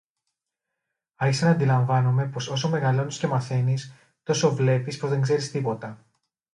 Άρχισα ν' αντιλαμβάνομαι πως όσο μεγαλώνεις και μαθαίνεις, τόσο βλέπεις πως δεν ξέρεις τίποτα